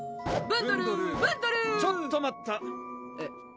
ブンドルちょっと待ったえっ？